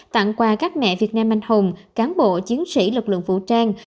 tặng quà các mẹ việt nam anh hùng cán bộ chiến sĩ lực lượng vũ trang